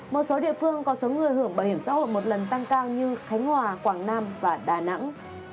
một số địa phương có số người hưởng bảo hiểm xã hội một lần tăng cao như khánh hòa quảng nam và đà nẵng